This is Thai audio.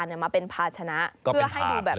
ฮ่าฮ่าฮ่า